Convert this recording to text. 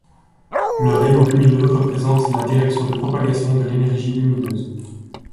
Le rayon lumineux représente la direction de propagation de l'énergie lumineuse.